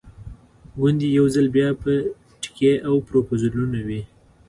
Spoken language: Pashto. ګوندې یو ځل بیا به ټیکې او پروپوزلونه وي.